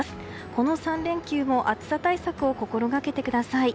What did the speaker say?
この３連休も暑さ対策を心がけてください。